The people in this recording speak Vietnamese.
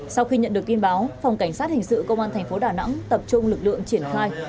sau khi nhận được tin báo phòng cảnh sát hình sự công an thành phố đà nẵng tập trung lực lượng triển khai